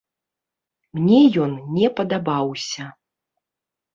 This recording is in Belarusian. Мне ён не падабаўся.